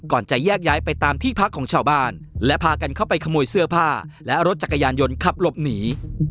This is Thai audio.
จะแยกย้ายไปตามที่พักของชาวบ้านและพากันเข้าไปขโมยเสื้อผ้าและรถจักรยานยนต์ขับหลบหนี